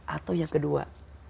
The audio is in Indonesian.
atau yang kedua